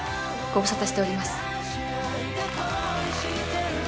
ご無沙汰しております。